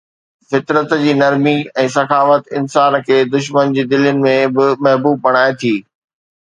فطرت جي نرمي ۽ سخاوت انسان کي دشمنن جي دلين ۾ به محبوب بڻائي ٿي